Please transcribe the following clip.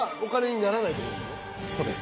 そうです。